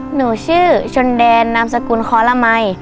หนูชื่อชนแดนนามสกุลคอลมัย